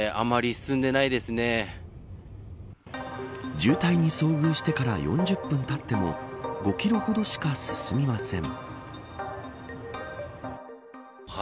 渋滞に遭遇してから４０分たっても５キロほどしか進みません。